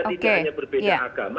tidak hanya berbeda agama